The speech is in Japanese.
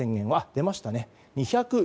出ましたね。